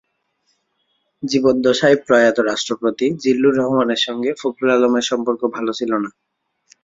জীবদ্দশায় প্রয়াত রাষ্ট্রপতি জিল্লুর রহমানের সঙ্গে ফখরুল আলমের সম্পর্ক ভালো ছিল না।